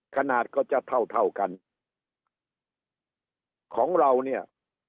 ขนาดก็จะเท่าเท่ากันของเราเนี่ย